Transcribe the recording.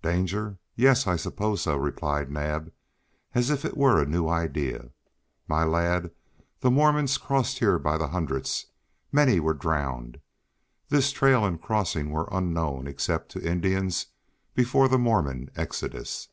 "Danger? Yes, I suppose so," replied Naab, as if it were a new idea. "My lad, the Mormons crossed here by the hundreds. Many were drowned. This trail and crossing were unknown except to Indians before the Mormon exodus."